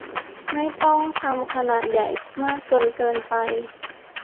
ไม่ต้องทำขนาดใหญ่มากจนเกินไป